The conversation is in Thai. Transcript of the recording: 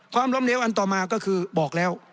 ล้มเหลวอันต่อมาก็คือบอกแล้ว